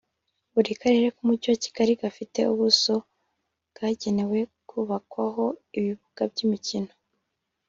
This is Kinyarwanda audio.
Buri karere k’umujyi wa Kigali gafite ubuso bwagenewe kubakwaho ibibuga by’imikino